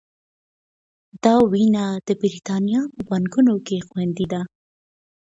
دا وینه د بریتانیا په بانکونو کې خوندي ده.